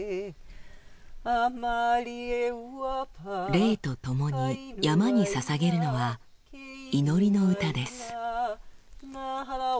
レイとともに山に捧げるのは祈りの歌です。